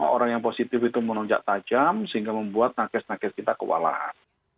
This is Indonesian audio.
orang yang positif itu melonjak tajam sehingga membuat nakes nakes kita kewalahan